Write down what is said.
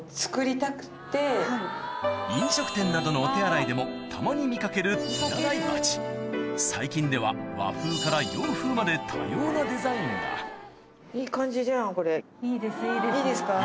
飲食店などのお手洗いでもたまに見かける手洗い鉢最近では和風から洋風まで多様なデザインがわい。